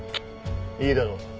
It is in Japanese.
いいだろう。